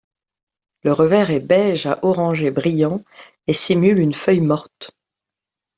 Le revers est beige à orangé brillant et simule une feuille morte.